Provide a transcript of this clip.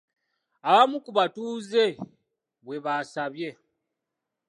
Abamu ku batuuze bwe basabye.